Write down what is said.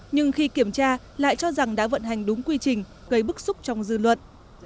nhưng khi kiểm tra lại cho rằng đã vận hành đúng quy trình gây bức xúc trong dư luận